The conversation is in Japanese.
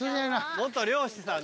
元漁師さんね。